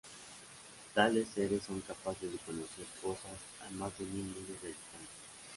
Tales seres son capaces de conocer cosas a más de mil millas de distancia.